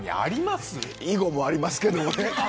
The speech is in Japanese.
囲碁もありますけどね。